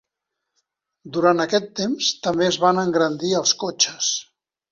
Durant aquest temps, també es van engrandir els cotxes.